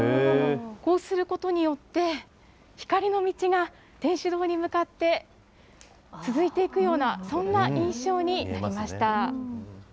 こうすることによって、光の道が天主堂に向かって続いていくような、そんな印象になりました。